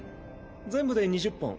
全部で２０本。